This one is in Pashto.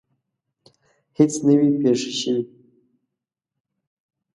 هیڅ نه وي پېښه شوې.